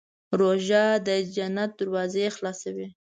روژه د جنت دروازې خلاصوي.